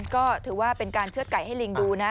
ก็ถือว่าเป็นการเชื่อดไก่ให้ลิงดูนะ